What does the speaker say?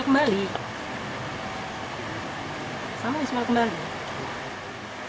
saya mau ismail kembali